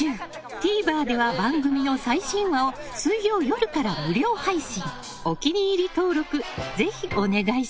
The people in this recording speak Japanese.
ＴＶｅｒでは番組の最新話を水曜夜から無料配信。